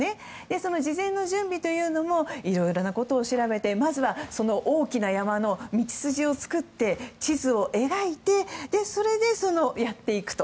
その事前の準備というのもいろいろなことを調べてまずは、大きな山の道筋を作って地図を描いてそれで、やっていくと。